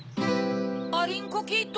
アリンコキッド！